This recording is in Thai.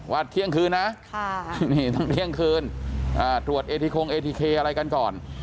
เที่ยงคืนนะนี่ต้องเที่ยงคืนตรวจเอทีคงเอทีเคอะไรกันก่อน